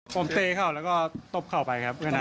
ผมเตเข้าแล้วก็ตบเข้าไปครับเมื่อนั้น